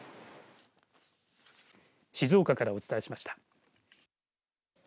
静岡からお伝えしました。